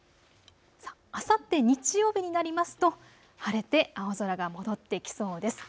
あさって日曜日になりますと晴れて青空が戻ってきそうです。